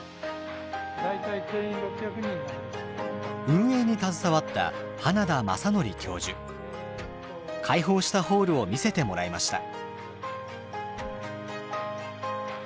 運営に携わった開放したホールを見せてもらいました。